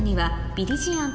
ビリジアン？